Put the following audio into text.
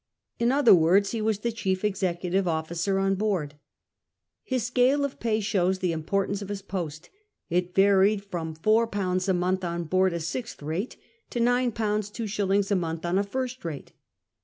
In other words, he was the , chief executive officer on board. His scale of pay shows the importance of his post. It varied from £4 a month on board a Sixth Bate to £9 : 2s. a month on a First Rate.